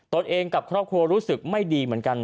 ตัวเองกับครอบครัวรู้สึกไม่ดีเหมือนกัน